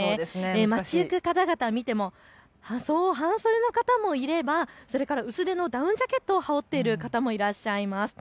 街行く方々を見ても半袖の方もいれば薄手のダウンジャケットを羽織っている方もいらっしゃいます。